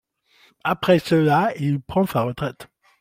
Après cela, il prend sa retraite.